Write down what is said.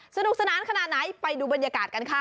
สนุกสนานขนาดไหนไปดูบรรยากาศกันค่ะ